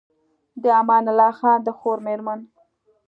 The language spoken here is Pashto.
د امان الله خان د خور مېرمن